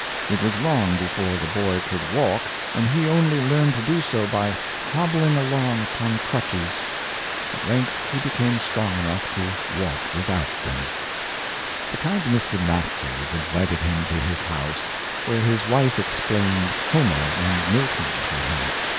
It was long before the boy could walk, and he only learned to do so by hobbling along upon 342 yohn Flax man, crutches. At length he became strong enough to walk without them. The kind Mr. Matthews invited him to his house, where his wife explained Homer and Milton to him.